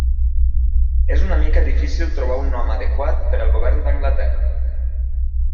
És una mica difícil trobar un nom adequat per al govern d'Anglaterra.